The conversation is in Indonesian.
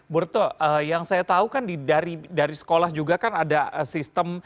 burto yang saya tahu kan dari sekolah juga kan ada sistem